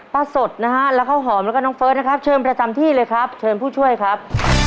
สดนะฮะแล้วข้าวหอมแล้วก็น้องเฟิร์สนะครับเชิญประจำที่เลยครับเชิญผู้ช่วยครับ